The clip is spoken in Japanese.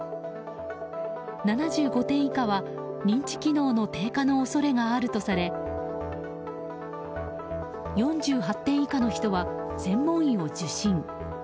７５点以下は認知機能の低下の恐れがあるとされ４８点以下の人は専門医を受診。